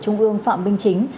trung ương phạm minh chính